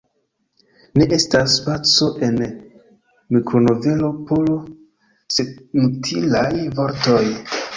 Ne estas spaco en mikronovelo por senutilaj vortoj.